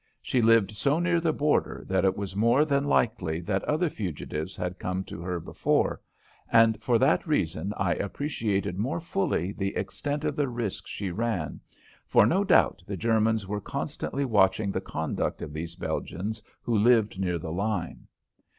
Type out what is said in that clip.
She lived so near the border that it was more than likely that other fugitives had come to her before, and for that reason I appreciated more fully the extent of the risk she ran, for no doubt the Germans were constantly watching the conduct of these Belgians who lived near the line.